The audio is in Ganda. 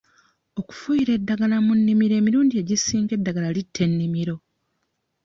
Okufuuyira eddagala mu nimiro emirundi egisinga eddagala litta enimiro.